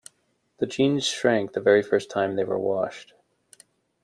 The jeans shrank the very first time they were washed.